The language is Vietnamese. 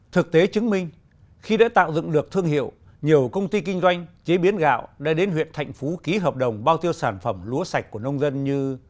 thực tế chứng minh khi đã tạo dựng được thương hiệu nhiều công ty kinh doanh chế biến gạo đã đến huyện thạnh phú ký hợp đồng bao tiêu sản phẩm lúa sạch của nông dân như